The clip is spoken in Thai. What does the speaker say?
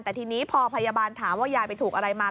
แต่ทีนี้พอพยาบาลถามว่ายายไปถูกอะไรมา